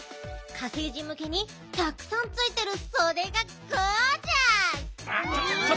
火星人むけにたくさんついてるそでがゴージャス！